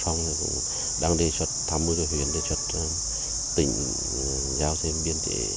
phòng cũng đang đề xuất thăm mưu cho huyện đề xuất tỉnh giao xem biên chế